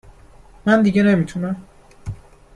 . من دیگه نمی تونم